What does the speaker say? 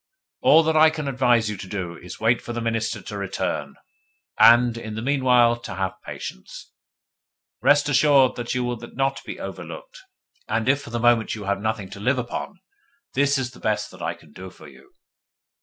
All that I can advise you to do is wait for the Minister to return, and, in the meanwhile, to have patience. Rest assured that then you will not be overlooked. And if for the moment you have nothing to live upon, this is the best that I can do for you.